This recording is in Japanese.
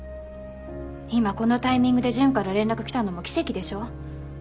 今このタイミングで淳から連絡来たのも奇跡でしょ。